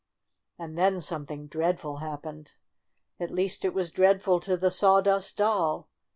And then something dreadful happened. At least it was dreadful to the Sawdust Doll.